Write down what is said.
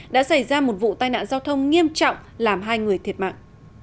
đã xảy ra một vụ tai nạn giao thông nghiêm trọng làm hai người thiệt mạng